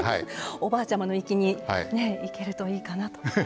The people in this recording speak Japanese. おばあちゃまの域にいけるといいかなと思います。